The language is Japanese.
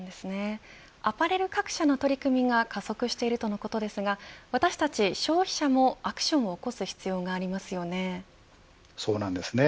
アパレル各社の取り組みが加速しているとのことですが私たち消費者もアクションをそうなんですね。